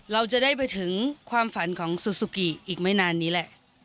เราจะได้ไปถึงความฝันของซูซูกิอีกไม่นานนี้แหละ